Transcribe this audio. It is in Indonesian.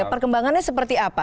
nah perkembangannya seperti apa